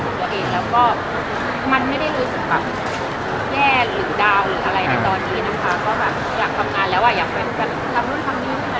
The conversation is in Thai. ในตอนนี้นะคะก็แบบอยากทำงานแล้วอ่ะอยากเป็นแบบรับรุ่นคำนี้ขึ้นอันนี้ก็สุดมากกว่า